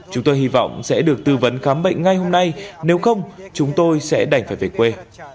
chúng tôi hy vọng sẽ được tư vấn khám bệnh ngay hôm nay nếu không chúng tôi sẽ đành phải về quê